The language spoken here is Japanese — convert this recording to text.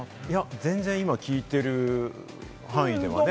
全然今、聞いてる範囲ではね。